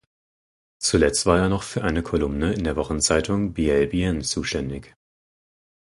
Zuletzt war er noch für eine Kolumne in der Wochenzeitung "Biel Bienne" zuständig.